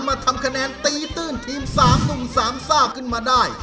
มาทำคะแนนตีตื้นทีม๓หนุ่มสามซ่าขึ้นมาได้